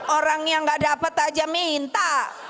orang yang gak dapat aja minta